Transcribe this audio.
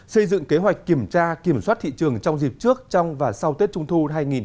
xây dựng kế hoạch kiểm tra kiểm soát thị trường trong dịp trước trong và sau tết trung thu hai nghìn hai mươi